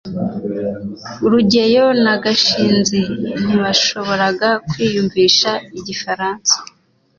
rugeyo na gashinzi ntibashoboraga kwiyumvisha igifaransa